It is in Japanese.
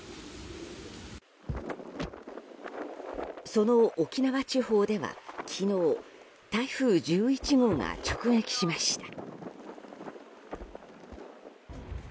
その沖縄地方では昨日台風１１号が直撃しました。